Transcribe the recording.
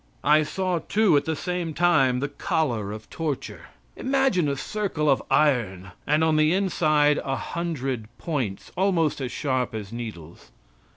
I saw, too, at the same time, the Collar of torture. Imagine a circle of iron, and on the inside a hundred points almost as sharp as needles.